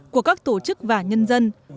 các tổ chức và nhân dân